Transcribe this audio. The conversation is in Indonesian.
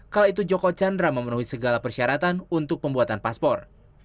kala itu joko chandra memenuhi segala persyaratan untuk pembuatan paspor